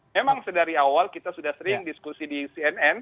memang sedari awal kita sudah sering diskusi di cnn